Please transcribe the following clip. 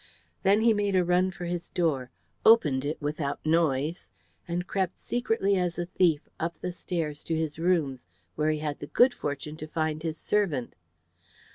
Then he made a run for his door, opened it without noise, and crept secretly as a thief up the stairs to his rooms, where he had the good fortune to find his servant.